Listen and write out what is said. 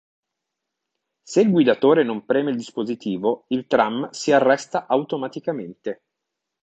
Se il guidatore non preme il dispositivo il tram si arresta automaticamente.